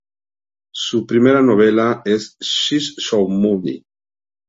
Su primera novela es She's So Money.